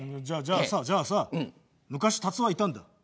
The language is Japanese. じゃじゃあさじゃあさ昔タツはいたんだ。